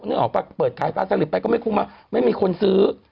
นึกออกป่ะเปิดขายปลาสลิดไปก็ไม่คุ้มมาไม่มีคนซื้อ